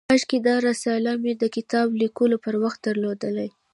کاشکي دا رساله مې د کتاب لیکلو پر وخت درلودای.